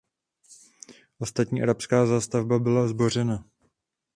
Ostatní arabská zástavba byla zbořena.